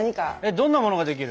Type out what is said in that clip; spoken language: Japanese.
どんなものができる？